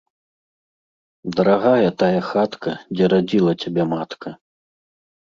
Дарагая тая хатка, дзе радзіла цябе матка.